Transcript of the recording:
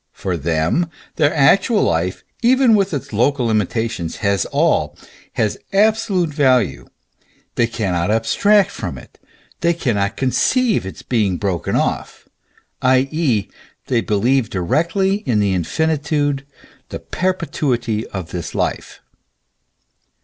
For them, their actual life, even with its local limitations, has all, has absolute value ; they cannot abstract from it, they cannot conceive its being broken off; i.e., they believe directly in the infinitude, the perpetuity of this life.